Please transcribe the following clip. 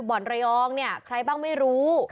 บ่อนระยองเนี่ยใครบ้างไม่รู้